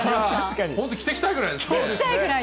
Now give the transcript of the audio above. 本当、着ていきたいくらい。